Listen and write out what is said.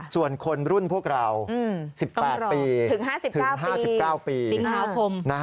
ส่วนคนรุ่นพวกเรา๑๘ปีถึง๕๙ปีสิงหาคม